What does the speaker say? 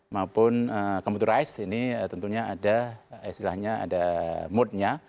maupun computerized ini tentunya ada mood nya